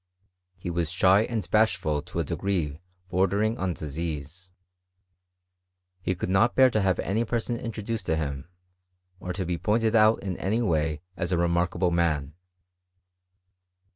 He was shy and bashful to a degree bordering on disease : he could not bear to have any person intro duced to him, or to be pointed out in any way as a remarkable man.